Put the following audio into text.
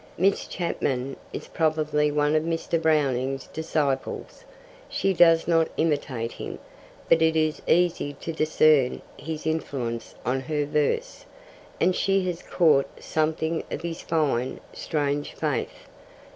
Miss Chapman is probably one of Mr. Browning's disciples. She does not imitate him, but it is easy to discern his influence on her verse, and she has caught something of his fine, strange faith.